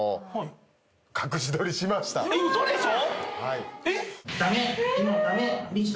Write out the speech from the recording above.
嘘でしょ